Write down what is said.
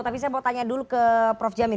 tapi saya mau tanya dulu ke prof jamin